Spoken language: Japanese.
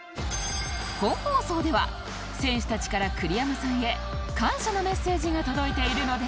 本放送では選手たちから栗山さんへ感謝のメッセージが届いているのですが